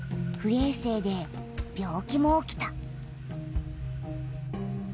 えい生で病気も起きた。